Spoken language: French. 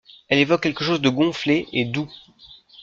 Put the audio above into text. Elle évoque quelque chose de gonflé et doux.